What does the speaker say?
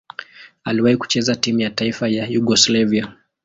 Aliwahi kucheza timu ya taifa ya Yugoslavia.